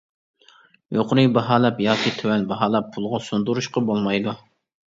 يۇقىرى باھالاپ ياكى تۆۋەن باھالاپ پۇلغا سۇندۇرۇشقا بولمايدۇ.